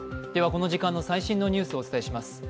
この時間の最新のニュースをお伝えします。